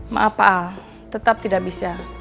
maaf pak a tetap tidak bisa